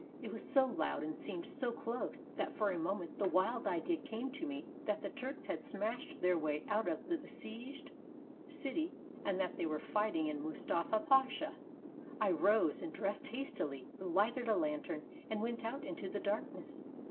It was so loud and seemed so close that for a moment the wild idea came to me that the Turks had smashed their way out of the besieged city and that there was fighting in Mustafa Pasha. I ros<^ and dressed hastily, lighted a lantern, and went out into the darkness.